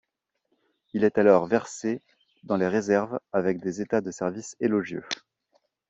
Il est alors versé dans les réserves avec des états de service élogieux.